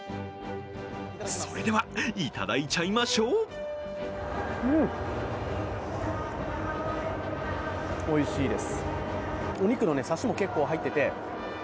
それでは、いただいちゃいましょうおいしいです。